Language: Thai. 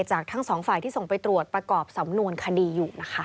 จากทั้งสองฝ่ายที่ส่งไปตรวจประกอบสำนวนคดีอยู่นะคะ